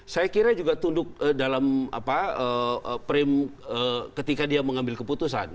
saya kira juga tunduk dalam prim ketika dia mengambil keputusan